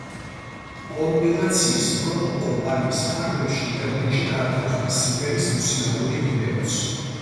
კომპილაციის პრომო კამპანიის ფარგლებში ინტერნეტში განთავსდა სიმღერის მუსიკალური ვიდეოც.